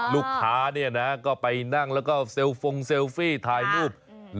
ลูกค้าก็ไปนั่งแล้วก็เซลฟงเซลฟี่ถ่ายรูป